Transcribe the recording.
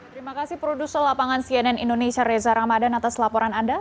terima kasih produser lapangan cnn indonesia reza ramadan atas laporan anda